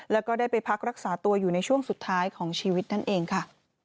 แล้วก็ได้ไปพักรักษาตัวอยู่ในช่วงสุดท้ายของชีวิตนั่นเองค่ะ